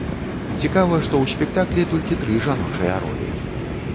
Цікава, што ў спектаклі толькі тры жаночыя ролі.